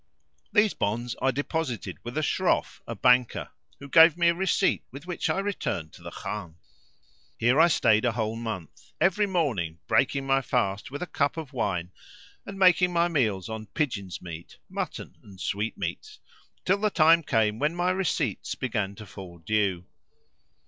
These bonds I deposited with a Shroff, a banker, who gave me a receipt with which I returned to the Khan. Here I stayed a whole month, every morning breaking my fast with a cup of wine and making my meals on pigeon's meat, mutton and sweetmeats, till the time came when my receipts began to fall due.